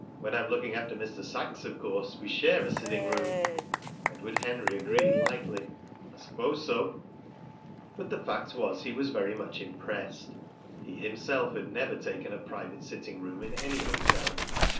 When I'm looking after Mr. Sachs, of course we share a sitting room." Edward Henry agreed lightly: "I suppose so." But the fact was that he was much impressed. He himself had never taken a private sitting room in any hotel.